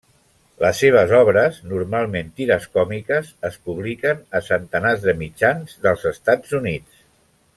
Les seves obres, normalment tires còmiques, es publiquen a centenars de mitjans dels Estats Units.